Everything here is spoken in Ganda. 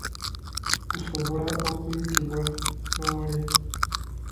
Gusobola okuyitibwa nnoole.